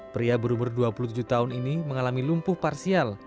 pria berumur dua puluh tujuh tahun ini mengalami lumpuh parsial